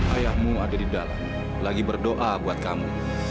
ayahmu ada di dalam lagi berdoa buat kamu